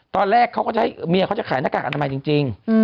ตอนแรกเขาก็จะให้เมียเขาจะขายหน้ากากอนามัยจริง